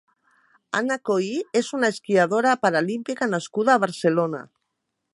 Anna Cohí és una esquiadora paralímpica nascuda a Barcelona.